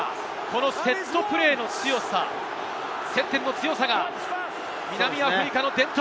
セットプレーの強さ、接点の強さが南アフリカの伝統。